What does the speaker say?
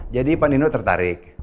jadi pak nino tertarik